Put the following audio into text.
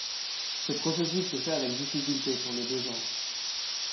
Ce processus se fait avec difficulté pour les deux genres.